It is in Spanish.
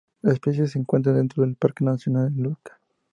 La especie se encuentra dentro del Parque Nacional Lauca.